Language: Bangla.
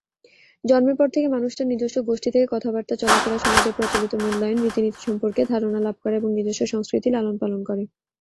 জন্মের পর থেকে মানুষ তার নিজস্ব গোষ্ঠী থেকে কথাবার্তা, চলাফেরা, সমাজের প্রচলিত মূল্যায়ন, রীতিনীতি সম্পর্কে ধারণা লাভ করে এবং নিজস্ব সংস্কৃতি লালন-পালন করে।